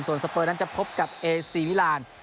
ส่วนสเปอร์นั้นจะพบกับเอซีมิลาน